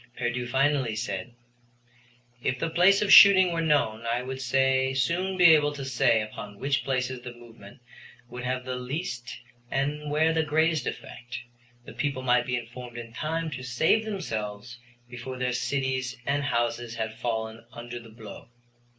Pierdeux finally said: "If the place of shooting were known I would soon be able to say upon which places the movement would have the least and where the greatest effect. The people might be informed in time to save themselves before their cities and houses had fallen under the blow."